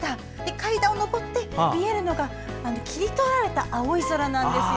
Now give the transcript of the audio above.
階段を上って、見えるのが切り取られた青い空なんですよ。